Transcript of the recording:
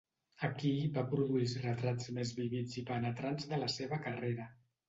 Aquí va produir els retrats més vívids i penetrants de la seva carrera.